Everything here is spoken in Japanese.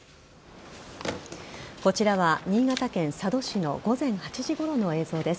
こちらは新潟県佐渡市の午前８時ごろの映像です。